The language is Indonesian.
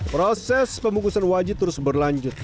proses pembungkusan wajib terus berlanjut